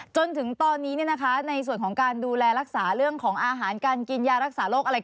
จนถึงตอนนี้ในส่วนของการดูแลรักษาเรื่องของอาหารการกินยารักษาโรคอะไร